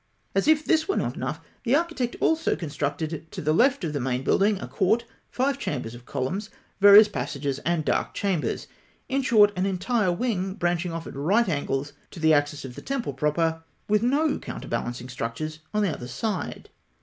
As if this were not enough, the architect also constructed, to the left of the main building, a court, five chambers of columns, various passages and dark chambers in short, an entire wing branching off at right angles to the axis of the temple proper, with no counterbalancing structures on the other side.